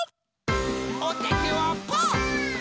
おててはパー！